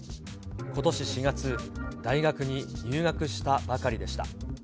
ことし４月、大学に入学したばかりでした。